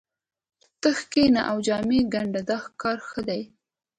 ته کښېنه او جامې ګنډه دا کار ښه دی